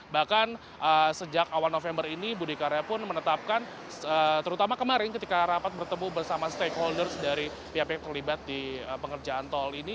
bahkan sejak awal november ini budi karya pun menetapkan terutama kemarin ketika rapat bertemu bersama stakeholders dari pihak pihak terlibat di pengerjaan tol ini